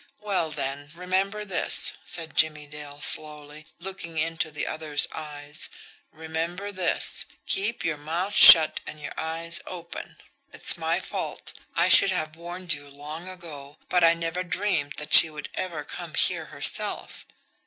"Well, then, remember this," said Jimmie Dale slowly, looking into the other's eyes, "remember this keep your mouth shut and your eyes open. It's my fault. I should have warned you long ago, but I never dreamed that she would ever come here herself.